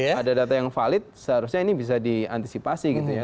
kalau ada data yang valid seharusnya ini bisa diantisipasi gitu ya